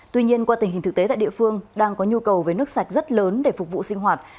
tuy nhiên qua tình hình thực tế tại địa phương đang có nhu cầu với nước sạch rất lớn để phục vụ sinh hoạt